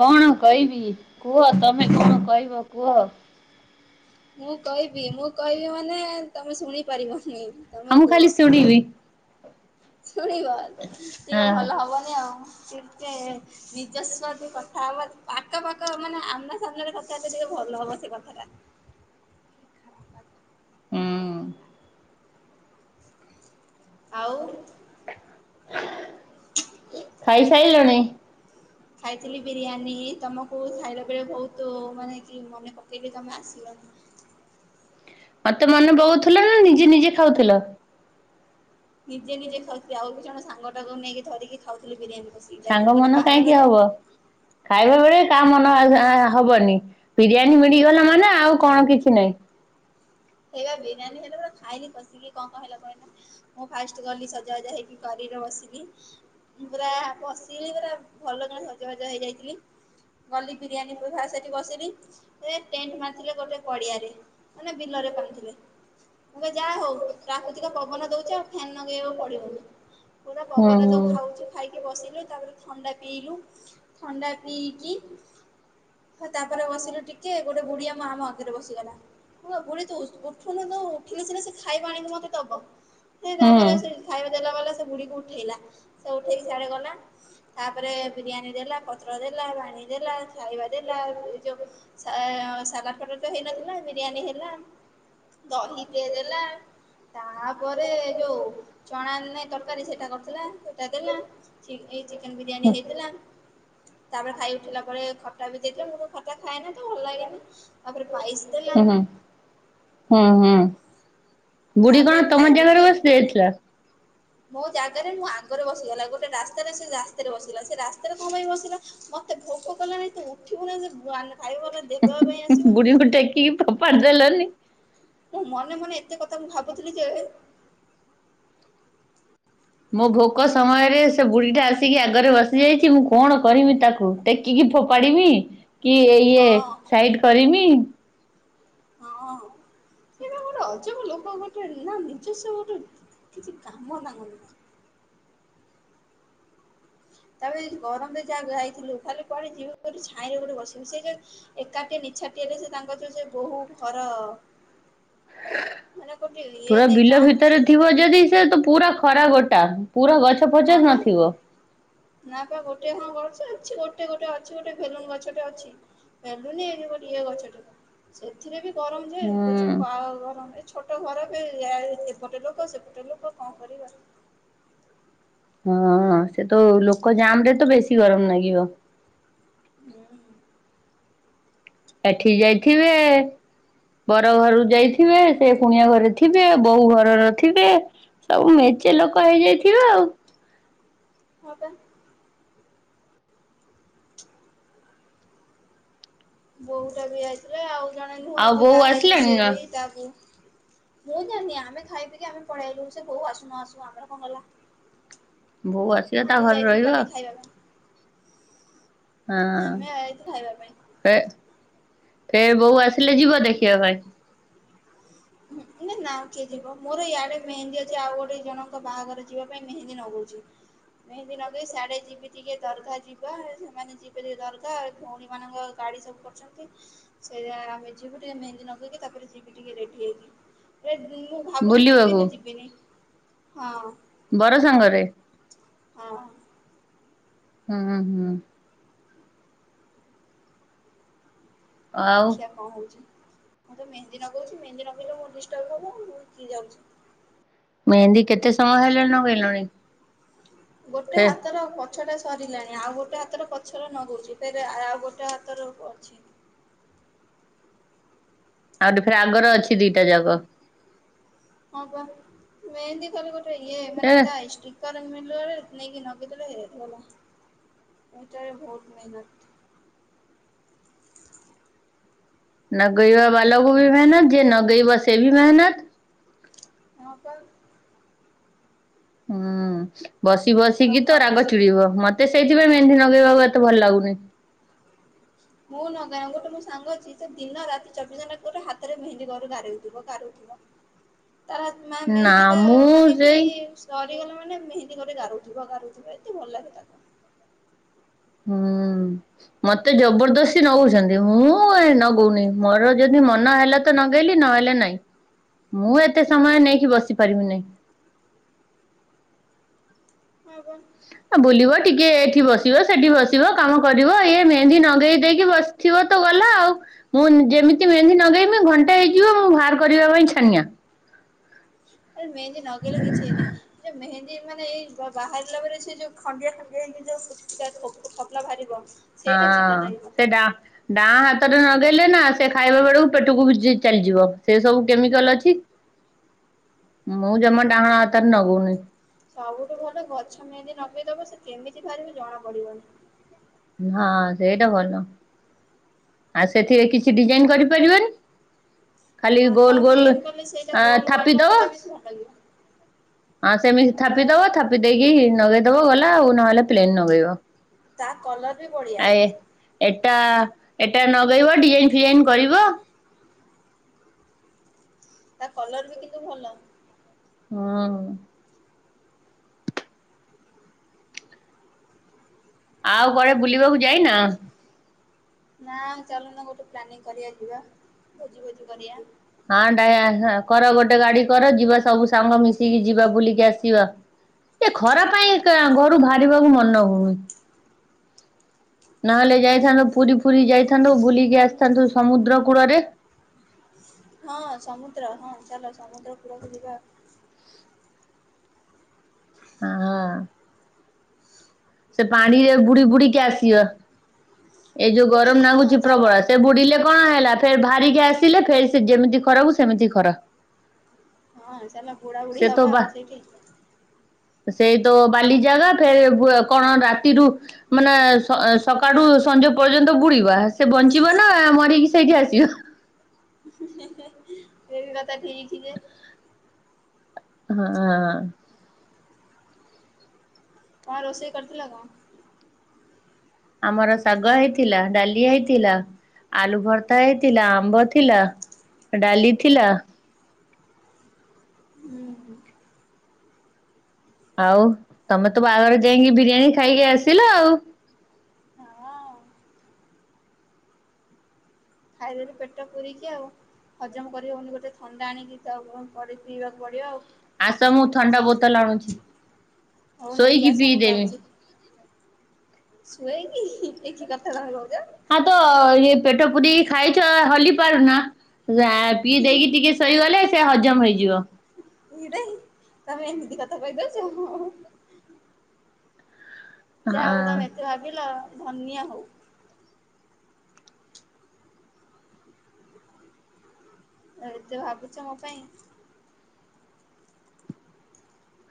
କଣ କହିବି କୁହ ତମେ କଣ କହିବ କୁହ? ମୁଁ କହିବି ମୁଁ କହିବି ମାନେ ତମେ ଶୁଣିପାରିବନି। ହଁ ମୁଁ ଖାଲି ଶୁଣିବି। ଶୁଣିବ ହଁ ଟିକେ ଭଲ ହବନି ଆଉ ଟିକେ ନିଜସ୍ୱତି କଥା ହବା ଆକ ପାକ ମାନେ ଆମ୍ନା ସାମ୍ନାରେ କଥା ହେଲେ ଟିକେ ଭଲ ହବ ସେ କଥାଟା। ଉଁ ଆଉ ଖାଇସାଇଲଣି? ହଁ ଖାଇଥିଲି ବିରିୟାନୀ ତୁମକୁ ଖାଇଲା ବେଳେ ଭୋଉତ ମାନେ କି ମନେ ପକାଇଲି ତମେ ଆସିଲନି। ମତେ ମନେ ପକଉଥିଲ ନା ନିଜେ ନିଜେ ଖାଉଥିଲ। ନିଜେ ନିଜେ ଖାଉଥିଲି ଆଉ ବି ଜଣେ ସାଙ୍ଗଟାକୁ ନେଇକି ଧରିକି ଖାଉଥିଲି ବିରିୟାନୀ। କଷିକି ସାଙ୍ଗ ଯାଇଥିଲି ଗୋଟେ ମନ କାହିଁକି ବାହାଘରରେ ହବ। ଖାଇବା ବେଳେ କାହା ମନ ହବନି ବିରିୟାନୀ ମିଳିଗଲା ମାନେ ଆଉ କଣ କିଛି ନାଇଁ। ସେଇଆ ବିରିୟାନୀ ହେଲେ ପୁରା ଖାଇକି କସିକି କଁ କଁ ହେଲ କହିଲ। ମୁଁ ଫାଷ୍ଟ ଗଲି ସଜା ବାଜ ହେଇକି କରିରେ ବସିଲି। ମୁଁ ପୁରା ପସିଗଲି ପୁରା ଭଲ କିଣା ସଜ ବାଜ ହେଇଥିଲି। ଗଲି ବିରିୟାନୀ [unintelligible] ସେଇଠି ବସିଲି। ସେ ଟେଣ୍ଟ ମାରିଥିଲେ ଗୋଟେ ପଡିଆରେ ମାନେ ବିଲରେ। ମୁଁ କହିଲି ଯାହା ହଉ ପ୍ରାକୃତିକ ପବନ ଦୋଉଚ ଆଉ ଫ୍ୟାନ୍ ନଗେଇବାକୁ ପଡିବନି ପୁରା ହୁଁ ପବନ ହୁଁ ଯୋଉ ଖାଉଚି। ଖାଇକି ବସିଲୁ ତାପରେ ଥଣ୍ଡା ପିଇଲୁ ଥଣ୍ଡା ପିଇକି ହଁ ତାପରେ ବସିଲୁ ଟିକିଏ ଗୋଟେ ବୁଢୀ ଆମ ଆମ ଆଗରେ ବସିଗଲା ମୁଁ ବୁଢୀ ତୁ ଉ ଉଠୁନୁ ତୁ ଉଠିଲେ ସିନା ସିଏ ଖାଇବା ଆଣିକି ମତେ ଦବ। ସେ ହୁଁ। ତାପରେ ସେ ଖାଇବା ଦେଲା ବାଲା ସେ ବୁଢୀକୁ ଉଠେଇଲା ସେ ଉଠେଇକି ସିଆଡେ ଗଲା। ତାପରେ ବିରିୟାନୀ ଦେଲା ପତ୍ର ଦେଲା ପାଣି ଦେଲା ଥାଳି ବାଢିଲା ଏ ଯୋଉ ସା ସାଲାଡ଼ ଫାଲାଡ ତ ହେଇନଥିଲା ବିରିୟାନୀ ହେଲା। ଦହିଟେ ଦେଲା। ତାପରେ ଯୋଉ ଚଣାଆଣଲେ ତରକାରୀ ସେଇଟା କରିଥିଲା ସେଇଟା ଦେଲା। ଚିଲି ଚିକେନ ବିରିୟାନୀ ହୁଁ ହେଇଥିଲା। ତାପରେ ଖାଇ ଉଠିଲା ପରେ ଖଟା ବି ଦେଇଥିଲା ମୁଁ ତ ଖଟା ଖାଏନା ତ ଭଲ ଲାଗେନା। ତାପରେ ପାଇସ ଦେଲା। ହୁଁ ହୁଁ ହୁଁ ବୁଢୀ ତାପରେ କଣ ତମ ଖାଇବି କି ଜାଗାରେ ବସି ଯାଇଥିଲା। ମୋ ଜାଗାରେ ମୁଁ ଆଗରେ ବସିଗଲା, ଗୋଟେ ରାସ୍ତାରେ ସିଏ ରାସ୍ତାରେ ବସିଗଲା, ସେ ରାସ୍ତାରେ କଣ ପାଇଁ ବସିଲା? ମ ମତେ ଭୋକ କଲାଣି, ତୁ ଉଠିବୁନି ଯେ ଆମେ ଖାଇବୁ ବୋଲେ ହୁଁ-ହୁଁ-ହୁଁ-ହୁଁ, ବୁଢ଼ୀକୁ ଟେକିକି ଫୋପାଡ଼ି ଦେଲନି? ମୁଁ ମନେ ମନେ ଏତେ କଥା ମୁଁ ଭାବୁଥିଲି ଯେ ମୋ ଭୋକ ସମୟରେ ସେ ବୁଢୀଟା ଆସିକି ଆଗରେ ବସି ଯାଇଛି, ମୁଁ କଣ କରିମି ତାକୁ ଟେକିକି ଫୋପାଡ଼ିମି, କି ଇଏ ହଁ ସାଇଡ କରିମି? ହଁ। ଇଏ ବା ଗୋଟେ ଅଜବ ଲୋକ ଗୋଟେ ନା ନିଜସ୍ୱ ଗୋଟେ କିଛି କାମ ତାଙ୍କର ନାହିଁ। ତାପ ଯଦି ଗରମରେ ଯାହା ଯାଇଥିଲୁ, ଖାଲି କୁଆଡ଼େ ଯିବୁ ବୋଲି ଛାଇଁରେ ଗୋଟେ ବସିବୁ। ସେ ଯା ଏକାଟିଏ ନିଛାଟିଏରେ ସେ ତାଙ୍କର ସେ ଯୋଉ ସେ ବୋହୂ ଘର ମାନେ ଗୋଟେ ଇଏ ପୁରା ନାହିଁ ବିଲ ଗାଁ ଭିତରେ ସେଇଟା ଥିବ ଯଦି ସେ ତ ପୁରା ଖରା ଗୋଟା, ପୁରା ଗଛ ପଛ ହଁ ପା ନଥିବ। ନା ବା ଗୋଟେ କଣ ଗଛ ଅଛି, ଗୋଟେ ଗୋଟେ ଅଛି ଗୋଟେ ଭେଲୁନ ଗଛଟେ ଅଛି ମେଲୁନି ଏ ଗୋଟିଏ ଗଛଟୁ, ସେଥିରେ ବି ଗରମ ଯେ ହୁଁ [unintelligible] ଗରମ ଛୋଟ ଘର ବି, ଆ ଏପଟେ ଲୋକ, ସେପଟେ ଲୋକ, କଣ କରିବ? ହଁ, ସେ ତ ଲୋକ ଜାମରେ ତ ବେଶୀ ଗରମ ନାଗିବ। ହୁଁ। କାଠେଇ ଯାଇଥିବେ ବର ଘରୁ ଯାଇଥିବେ, ସିଏ କୁଣିଆ ଘରେ ଥିବେ, ବୋହୂ ଘରର ଥିବେ ସବୁ ମେଞ୍ଚେ ଲୋକ ହେଇଯାଇଥିବ ଆଉ। ହଁ, ବା। [inaudible] ବୋହୂଟା ବି ଆଇଥିଲା, ଆଉ ଜଣେ ନୁହଁ ଆଉ ଯିଏ ବୋଉ ବାହା ହେଇଛି ଆସିଲାଣି ସେ ନା? ବି ତାକୁ ମୁଁ ଜାଣିନି, ଆମେ ଖାଇ ପିଇକି ଆମେ ପଳେଇଆଇଲୁ। ସେ ବୋହୂ ଆସୁ ନ ଆସୁ ଆମର କଣ ଗଲା? ବୋଉ ଆସିବ ତା ଆମେ ଘରେ ଯାଇଥିଲୁ ରହିବ ପାର୍ଟିକି ଖାଇବା ପାଇଁ। ହଁ ଆମେ ଯାଇଥିଲୁ ଖାଇବା ପାଇଁ ହଁ। ଫେ ଫେର ବୋହୂ ଆସିଲେ ଯିବ ଦେଖିବା ପାଇଁ? ହୁଁ ଏ ନା କିଏ ଯିବ? ମୋର ଇଆଡେ ମେହେନ୍ଦୀ ଅଛି ଆଉ ଗୋଟେ ଜଣଙ୍କ ବାହାଘର ଯିବା ପାଇଁ ମେହେନ୍ଦୀ ନଗଉଛି। ମେହନ୍ଦି ନଗେଇ ସାଡେ ଯିବି ଟିକେ ଦରଘା ଯିବା, ସେମାନେ ଯିବେ ଟିକେ ଦରଘା, ଭଉଣୀମାନଙ୍କ ଗାଡି ସବୁ କରିଛନ୍ତି। ସେଇରା ଆମେ ଯିବୁ ଟିକେ ମେହେନ୍ଦୀ ନଗେଇକି, ତାପରେ ଯିବୁ କି ଟିକେ ରେଡି ହେଇକି। ଏ ମୁଁ ଭାବୁଛି ଯିବି ବୁଲିବାକୁ ନା ଯିବିନି? ହଁ। ବର ସାଙ୍ଗରେ? ହଁ। ହୁଁ, ହୁଁ। ଆଉ ଦେଖିଆ କଣ ହଉଛି? ମୁଁ ତ ମେହେନ୍ଦୀ ନଗଉଛି, ମେହେନ୍ଦୀ ନଗେଇଲେ ମୋର ଡିଷ୍ଟର୍ବ ହବ ଆଉ ମୁଁ କିଏ ଯାଉଛି। ମେହେନ୍ଦୀ କେତେ ସମୟ ହେଲାଣି ନଗେଇଲଣି? ଗୋଟେ ଫେ ହାତର ପଛଟା ସରିଲାଣି। ଆଉ ଗୋଟେ ହାତର ପଛର ନଗଉଛି, ଫେରେ ଆଉ ଗୋଟେ ହାତର ଅଛି। ଆଉ ଗୋଟେ ଫେରେ ଆଗର ଅଛି ଦିଟା ଯାକ। ହଁ ବା, ମେହେନ୍ଦୀ ଖାଲି ଗୋଟେ ଇଏ ଏ ମାନେ ତା ଷ୍ଟିକ ତାର ମିିଲରେ ନେଇକି ନଗେଇ ଦେଲେ ହେଇଗଲା, ଏଟାରେ ବହୁତ ମେହନତ। ନଗେଇବା ବାଲାକୁ ବି ମେହନତ, ଯିଏ ନଗେଇବ ସିଏ ବି ମେହନତ ହଁ ପା। ହୁଁ, ବସି ଆଉ ବସିକି ତ ରାଗ କରିଛି। ଚିଡିବ। ମତ୍ ତ ସେଇଥିପାଇଁ ମେହେନ୍ଦି ନଗେଇବାକୁ ଏତେ ଭଲ ଲାଗୁନି। ମୁଁ ନଗାଏ, ଗୋଟେ ମୋ ସାଙ୍ଗ ଅଛି, ସେ ଦିନ ରାତି ଚବିଶ ଘଣ୍ଟା ପରେ ହାତରେ ମେହେନ୍ଦି ଘରୁ ଗାରଉଥିବ ଗାରଉଥିବ। ତାର ଆତ୍ମା ନା ମେହେନ୍ଦି ତ ମୁଁ ମାନେ କି ସେଇ ସରିଗଲେ ମାନେ ମେହେନ୍ଦୀ କରି ଗାରୁଉଥିବ, ଗାରୁଉଥିବ ଏତେ ଭଲ ଲାଗେ ତାକୁ। ହୁଁ, ମତେ ଜବରଦସ୍ତି ନଗଉଛନ୍ତି। ମୁଁ ମୁଁ ଏ ନଗଉନେଇ, ମୋର ଯଦି ମନ ହେଲା ତ ନଗେଇଲି ନହେଲେ ନାଇଁ। ମୁଁ ଏତେ ସମୟ ନେଇକି ବସି ପାରିବି ନାହିଁ। ହୁଁ ହୁଁ। ଆ ବୁଲିବ ଟିକେ ଏଠି ବସିବ ସେଠି ବସି ଥିବ କାମ କରିବ। ଇଏ ମେହେନ୍ଦି ନଗେଇ ଦେଇକି ବସିଥିବ ତ ଗଲା ଆଉ ମୁଁ ଯେମିତି ମେହେନ୍ଦି ନଗାଇମି ଘଣ୍ଟା ହେଇଯିବ ମୁଁ ବାହାର କରିବା ପାଇଁ ଛାନିଆ। ଏ ମେହେନ୍ଦି ନଗେଇଲେ କିଛି ନାହିଁ। ସେ ମେହେନ୍ଦୀ ମାନେ ଏଇ ବାହାରିଲା ପରେ, ସେ ଯୋଉ ଖଣ୍ଡିଆ ଖଣ୍ଡିଆ ହେଇକି ଯୋଉ ଖୋପ ଖପଲା ବାହାରିବ। ହଁ ସେଇଟା ଚିଡା ଲାଗେ ମତେ ସେଟା ଡାଁହଣ ହାତରେ ନଗେଇଲେ ନା ସେ ଖାଇବା ବେଳକୁ ପେଟକୁ ଯି ଚାଲିଯିବ। ସେ ସବୁ କେମିକାଲ ଅଛି। [inaudible] ମୁଁ ହଁ ଜମା ପା ଡାହାଣ ହାତରେ ନଗଉନି। ସବୁଠୁ ଭଲ, ଗଛ ମେହେନ୍ଦି ନଗେଇଦବ ସେ କେମିତି ବାହାରିବ ଜଣା ପଡିବନି। ହଁ ସେଇଟା ଭଲ। ଆ ସେଥିରେ କିଛି ଡିଜାଇନ କରିପାରିବନି। ଖାଲି ଧାନ ଗୋଲ ଗୋଲ ଡିଜାଇନ କଲେ ସେଇଟା ଗୋଲ ଗୋଲ ଥାପିଦବ। କରିଦେଲେ ବି ଭଲ ଲାଗିବ ହଁ ସେମିତି ହେ ଥାପିଦବ ଥାପି ଦେଇକି ନଗେଇଦବ ଗଲା। ଆଉ ନହେଲେ ପ୍ଲେନ ନଗେଇବ। ତା କଲର ବି ବଢିଆ। ଆ ଏ ଏଟା ଏଟା ଲଗେଇବ ଡିଜାଇନ ଫିଜାଇନ କରିବ। ତା କଲର ବି କିନ୍ତୁ ଭଲ। ହଁ। ଆଉ କୁଆଡ଼େ ବୁଲିବାକୁ ଯାଇନା? ନା ଚାଲୁନ ଗୋଟେ ପ୍ଲାନିଂ କରିବା ଯିବା ଭୋଜି ଫୋଜି କରିବା? ହଁ ଟ କର ଗୋଟେ ଗାଡି କର ଯିବା ସବୁ ସାଙ୍ଗ ମିସି ମିଶିକି ଯିବା ବୁଲିକି ଆସିବା ଏ ଖରା ପାଇଁ ଘରୁ ବାହାରିବାକୁ ମନ ହଉନି। ନହେଲେ ଯାଇଥାନ୍ତୁ ପୁରୀ ଫୁରି ଯାଇଥାନ୍ତୁ ବୁଲିକି ଆସିଥାନ୍ତୁ ସମୁଦ୍ର କୂଳରେ। ହଁ ସମୁଦ୍ର ହଁ ଚାଲ ସମୁଦ୍ର କୁଳକୁ ଯିବା। ହଁ। ସେ ପାଣିରେ ବୁଡି ବୁଡିକି ଆସିବ ଏ ଯୋଉ ବୁଢୀ ଗରମ ହଁ ନାଗୁଛି ଚାଲ ପ୍ରବଳ ସେ ବୁଡିଲେ କଣ ହେଲା ଫେର ବାହାରିକି ଆସିଲେ ଫେର ସେ ଯେମିତି ଖରାକୁ ସେମିତି ଖରା। ହଁ ଚାଲ ବୁଢା ସେ ବୁଢୀ ତ ହବା ବା ଆଉ ସେଇଠି ସେଇ ତ ବାଲି ଜାଗା ଫେର କଣ ରାତିରୁ ମାନେ ସକାଳୁ ସଞ୍ଜ ପର୍ଯ୍ୟନ୍ତ ବୁଡିବା ସେ ବଞ୍ଚିବା ନା ମରିକି ସେଇଠି ଆସିବା। [unintelligible] ସେ ବି କଥା ଠିକ ହି ଯେ ହଁ। କଣ ରୋଷେଇ କରିଥିଲ କଣ? ଆମର ଶାଗ ହେଇଥିଲା ଡାଲି ହେଇଥିଲା। ଆଳୁ ଭର୍ତା ହେଇଥିଲା ଆମ୍ବ ଥିଲା ଡାଲି ଥିଲା। ହୁଁ। ଆଉ ତମେ ତ ବାହାଘର ଯାଇକି ବିରିୟାନୀ ଖାଇକି ଆସିଲ ଆଉ ହଁ। ଖାଇଦେଲି ପେଟ ପୁରିକୁ ଆଉ ହଜମ କରି ହଉନି ଗୋଟେ ଥଣ୍ଡା ଆଣିକି ତା ପିଇବାକୁ ପଡିବ ଆଉ ଆସ ମୁଁ ଥଣ୍ଡା ବୋତଲ ଆଣୁଛି। ହଉ ନେଇକି ଶୋଇକି ଆସ ମୁଁ ପିଇଦେବି ଯାଉଛି। ଶୁଆଇକି ଏକି କଥା ତମେ କହୁଚ? ହଁ ତ ଇ ପେଟ ପୁରିକି ଖାଇଛ ହଲି ପାରୁନା। ଯା ପିଇ ଦେଇକି ଟିକେ ଶୋଇଗଲେ ସେ ହଜମ ହେଇଯିବ। ଇ ରେ ତମେ ଏମିତି କଥା କହି ପାରୁଛ? ହଁ ଯା ହଉ ତମେ ଏତେ ଭାବିଲ ଧନିଆ ହଉ। ଏତେ ଭାବୁଛ ମୋ ପାଇଁ।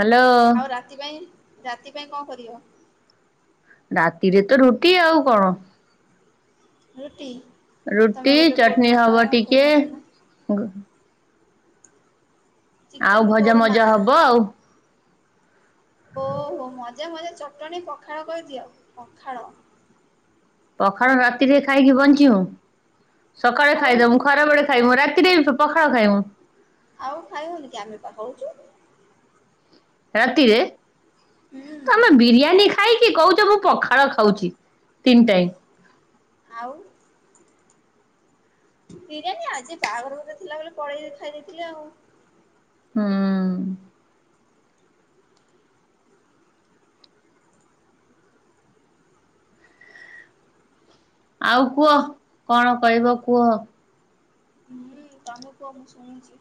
ହାଲୋ। ଆଉ ରାତି ପାଇଁ ରାତି ପାଇଁ କଁ କରିବ। ରାତିରେ ତ ରୁଟି ଆଉ କଁ। ରୁଟି। ତମେ ରୁଟି ଗୋଟେ ଚଟଣି କୋରମା ହବ ଟିକେ। କୋରମା କରୁନ ଆଉ ଚିକେନ ଭଜା କୋରମା ମଜା ହବ ଆଉ। ଓହୋ ମଜା ମଜା ଚଟଣି ପଖାଳ କରିଦିଅ ପଖାଳ। ପଖାଳ ରାତିରେ ଖାଇକି ବଞ୍ଚିବୁ। ସକାଳେ ଆଉ ଖାଇଦବୁ ଖରାବଳେ ଖାଇବୁ ରାତିରେ ପଖାଳ ଖାଇବୁ। ଆଉ ଖାଇ ବୁନି କି ଆମେ ପା ଖାଉଚୁ। ରାତିରେ। ହୁଁ ତମେ ବିରିୟାନୀ ଖାଇକି କହୁଛ ମୁଁ ପଖାଳ ଖାଉଛି ତିନି ଟାଇମ୍। ଆଉ। ବିରିୟାନୀ ଆଜି ବାହାଘର ଗୋଟେ ଥିଲା ବଲି ପଳେଇଲି ଖାଇ ଦେଇ ଥିଲେ ଆଉ। ହୁଁ। ଆଉ କୁହ କଣ କହିବ କୁହ। ହୁଁ ତମେ କୁହ ମୁଁ ଶୁଣୁଛି।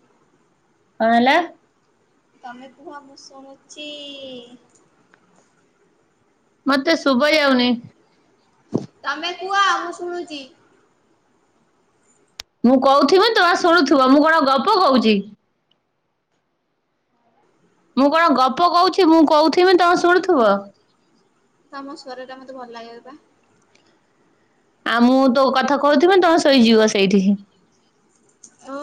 କଁ ହେଲା। ତମେ କୁହ ମୁଁ ଶୁଣୁଛି। ମତେ ଶୁବା ଯାଉନି। ତମେ କୁଅ ମୁଁ ଶୁଣୁଛି। ମୁଁ କହୁଥିବି ତୁମେ ଶୁଣୁଥିବ ମୁଁ କଣ ଗପ କହୁଛି। ମୁଁ କଣ ଗପ କହୁଛି ମୁଁ କଉଥିମି ତମେ ଶୁଣୁଥିବ। ତମ ସ୍ୱର ଟା ମୋତେ ଭଲ ଲାଗେ ବା। ଆଉ ମୁଁ ତୋ କଥା କହୁଥିବି ତମ ଶୋଇ ଯିବ ସେଇଠି।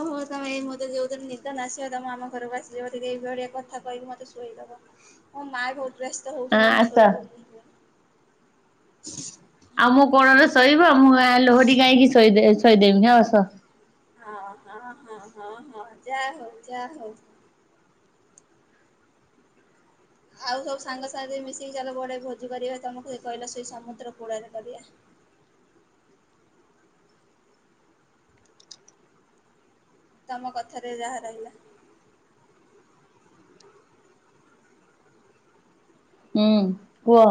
ହଁ ହଉ ତମେ ମତେ ଯୋଉ ଦିନ ନିଦ ନ ଆସିବ ତମେ ଆମ ଘରକୁ ଆସିକି ମତେ ଟିକେ ଏଇଭଳିଆ ଟିକେ କଥା କହକି ମତେ ଶୁଆଇଦବ। ମଁ ମା ବହୁତ ବ୍ୟସ୍ତ ହଁ ହଉଛନ୍ତି ମୁଁ ଆସ। ସୋଇ ପାରୁନି ଯୋଉ ଆଉ ମୋ କୋଳରେ ଶୋଇବ ମୁଁ ଆ ଲୋହରୀ ଗାଇ କି ଶୋଇ ଦେ ଶୋଇଦେମି ହଁ ଆସ। ହଁ ହଁ ହଁ ହଁ ହଁ ଯା ହଉ ଯା ହଉ। ଆଉ ସବୁ ସାଙ୍ଗ ସାଙ୍ଗେ ମିଶିକି ଚାଲ କୁଆଡେ ଭୋଜି କରିବା ତମକୁ ସେ କହିଲ ସେଇ ସମୁଦ୍ର କୂଳରେ କରିବା। ତମ କଥାରେ ଯାହା ରହିଲା। ହୁଁ କୁହ।